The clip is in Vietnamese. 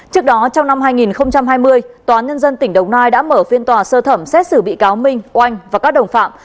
trước đó trong năm hai nghìn hai mươi tòa nhân dân tỉnh đồng nai đã mở phiên tòa sơ thẩm xét xử bị cáo minh oanh và các đồng phạm